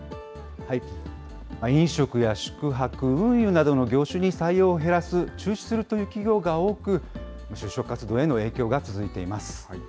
飲食や宿泊、運輸などの業種に採用を減らす、中止するという企業が多く、就職活動への影響が続いています。